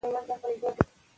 بزګر په پټي کې غنم کري.